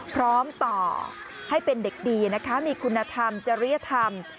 พร้อมต่อให้เป็นเด็กดีนะคะมีคุณธรรมจริยธรรม